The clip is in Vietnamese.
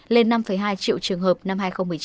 lên năm hai triệu trường hợp năm hai nghìn một mươi chín